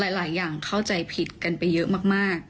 หลายอย่างเข้าใจผิดกันไปเยอะมาก